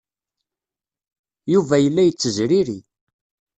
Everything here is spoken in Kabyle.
Yuba yella yettezriri.